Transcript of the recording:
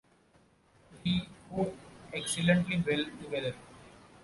We go excellently well together.